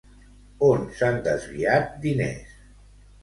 On s'han desviat diners?